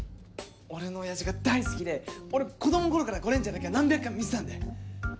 俺の親父が大好きで俺子供の頃からゴレンジャーだけは何百回も見てたんで。